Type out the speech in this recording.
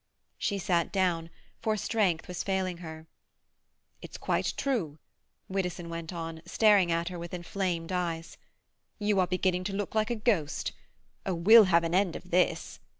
She sat down, for strength was failing her. "It's quite true," Widdowson went on, staring at her with inflamed eyes. "You are beginning to look like a ghost. Oh, we'll have an end of this!"